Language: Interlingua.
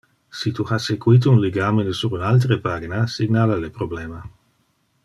Si tu ha sequite un ligamine sur un altere pagina, signala le problema.